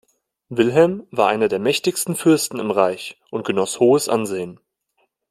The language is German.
Wilhelm war einer der mächtigsten Fürsten im Reich und genoss hohes Ansehen.